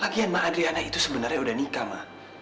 lagian ma adriana itu sebenarnya udah nikah ma